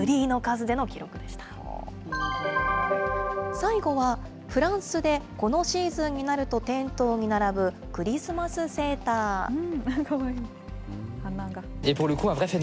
最後は、フランスでこのシーズンになると店頭に並ぶクリスマスセかわいい。